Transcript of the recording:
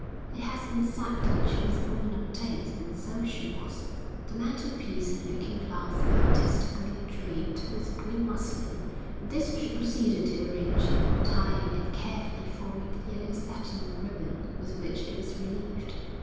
It has been said that she was a woman of taste, and so she was. The mantelpiece and looking glass were artistically draped with green muslin, and this she proceeded to arrange, tying and carefully forming the yellow satin ribbon with which it was relieved.